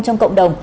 trong cộng đồng